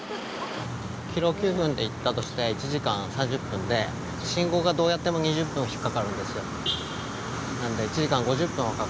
キロ９分で行ったとして、１時間３０分で、信号がどうやっても２０分引っ掛かるんですよ。